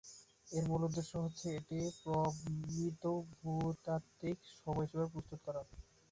এর মূল উদ্দেশ্য হচ্ছে, একটি প্রমিত ভূতাত্ত্বিক সময়সীমার প্রস্তুত করা।